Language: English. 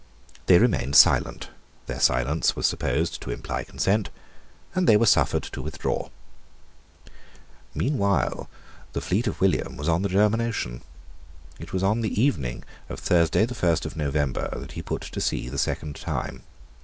They remained silent: their silence was supposed to imply consent; and they were suffered to withdraw. Meanwhile the fleet of William was on the German Ocean. It was on the evening of Thursday the first of November that he put to sea the second time.